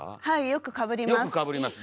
「よくかぶります」